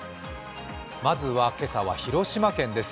まずは今朝は広島県です。